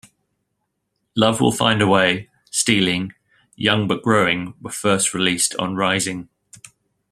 "Love Will Find a Way", "Stealing", "Young But Growing" were first released on "Rising".